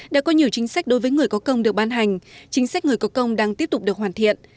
đã có nhiều chính sách đối với người có công được ban hành chính sách người có công đang tiếp tục được hoàn thiện